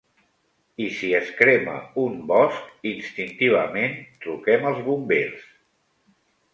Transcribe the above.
I si es crema un bosc, instintivament truquem als bombers.